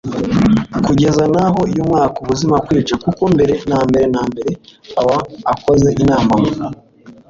kugeza n'aho yamwaka ubuzima (kwica) ; kuko mbere na mbere na mbere aba akoze imana mu